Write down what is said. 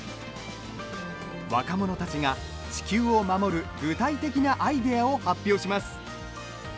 若者たちが地球を守る具体的なアイデアを発表します。